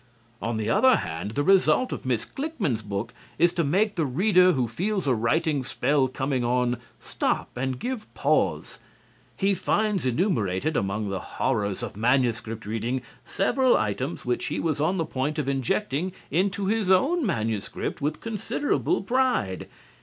On the other hand, the result of Miss Klickmann's book is to make the reader who feels a writing spell coming on stop and give pause. He finds enumerated among the horrors of manuscript reading several items which he was on the point of injecting into his own manuscript with considerable pride.